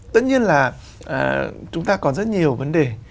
tất nhiên là chúng ta còn rất nhiều vấn đề